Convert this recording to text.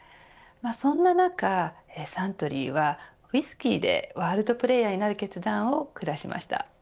そんな中、サントリーはウイスキーでワールドプレーヤーになる決断を下しました。